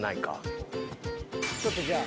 ちょっとじゃあ。